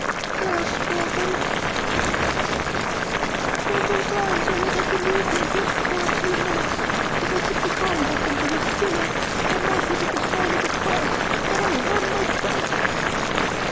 'Yes, Fróken,' she replied sadly, 'several times I have had to leave him just for a few minutes. But I put the Psalm book under his pillow, I mark him with the sign of the Cross, and _I run my best!